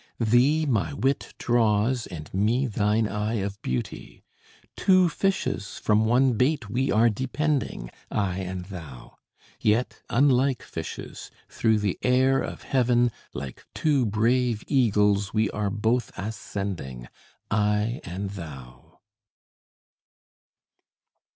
Thee my wit draws and me thine eye of beauty; Two fishes, from one bait we are depending, I and thou! Yet unlike fishes through the air of Heaven, Like two brave eagles, we are both ascending, I and thou!